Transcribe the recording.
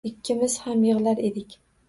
Ikkimiz ham yig`lar edik